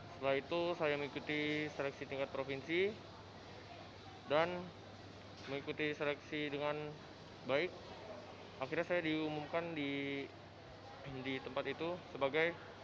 setelah itu saya mengikuti seleksi tingkat provinsi dan mengikuti seleksi dengan baik akhirnya saya diumumkan di tempat itu sebagai